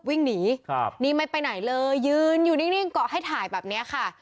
วิ่งหนีครับนี่ไม่ไปไหนเลยยืนอยู่นิ่งเกาะให้ถ่ายแบบเนี้ยค่ะ